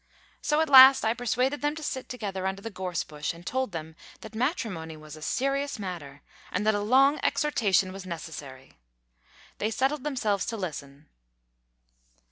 So at last I persuaded them to sit together under the gorse bush, and told them that matrimony was a serious matter, and that a long exhortation was necessary. They settled themselves to listen.